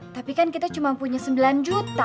tapi kan kita cuma punya sembilan juta